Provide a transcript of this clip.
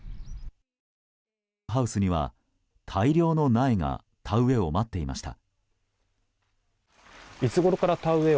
ハウスには大量の苗が田植えを待っていました。